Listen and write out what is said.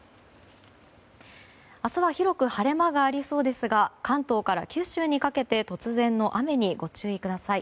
明日は広く晴れ間がありそうですが関東から九州にかけて突然の雨にご注意ください。